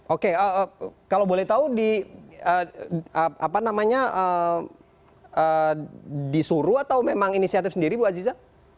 oke kalau boleh tahu disuruh atau memang inisiatif sendiri bu aziza